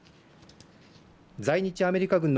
在日アメリカ軍の